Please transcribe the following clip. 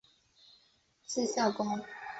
字孝公。